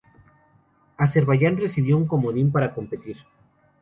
Azerbaiyán recibió un comodín para competir.